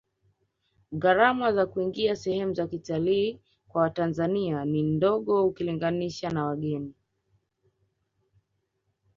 gharama za kuingia sehemu za kitalii kwa watanzania ni ndogo ukilinganisha na wageni